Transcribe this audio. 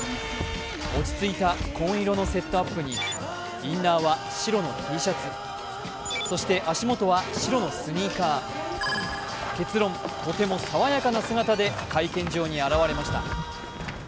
落ち着いた紺色のセットアップにインナーは白のＴシャツ、そして足元は白のスニーカー、結論、とても爽やかな姿で会見場に現れました。